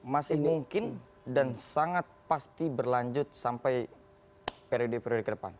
masih mungkin dan sangat pasti berlanjut sampai periode periode ke depan